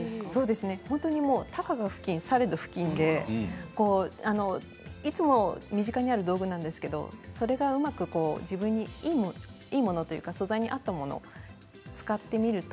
たかがふきんされどふきんでいつも身近にある道具なんですけどそれがうまく自分にいいものというか素材に合ったものを使ってみると。